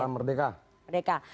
selamat malam merdeka